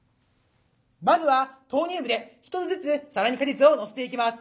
まずは投入部で１つずつ皿に果実を載せていきます。